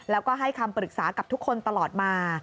แล้วก็ให้คำปรึกษากับทุกคนตลอดมา